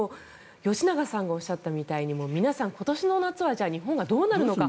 吉永さんがおっしゃったみたいに皆さん、今年の夏は日本がどうなるのか。